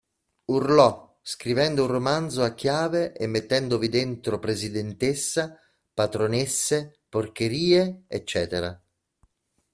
Urlò, scrivendo un romanzo a chiave e mettendovi dentro presidentessa, patronesse, porcherie, eccetera.